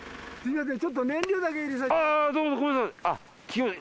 ちょっと燃料だけ入れさせて。